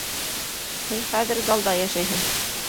Һин хәҙер залда йәшәйһең!